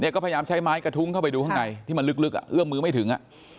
ก็พยายามใช้ไม้กระทุ้งเข้าไปดูข้างในที่มันลึกเอื้อมมือไม่ถึง